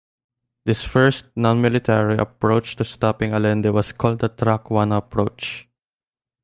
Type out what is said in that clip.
This first, nonmilitary, approach to stopping Allende was called the Track I approach.